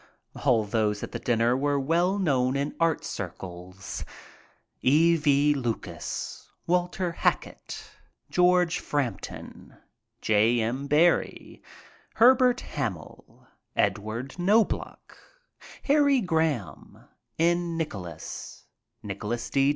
All those at the dinner were well known in art circles — E. V. Lucas, Walter Hackett, George Frampton, J. M. Barrie, Herbert Hammil, Edward Knobloch, Harrv Graham. I MEET THE IMMORTALS 85 N. Nicholas, Nicholas D.